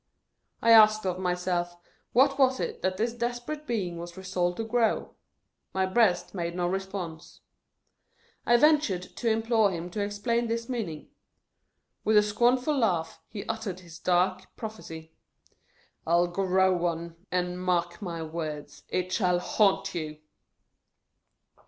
I asked of myself, what was it that this desperate Being was resolved to grow 'I My breast made no response. I ventured to implore him to explain his ^Charles Dickens.] THE GHOST OF ART. meaning. With a scornful laugh, he uttered this dark prophecy :" I 'LL GROW ONE. AND, MARK MY WORDS, IT SHALL HAUNT YOU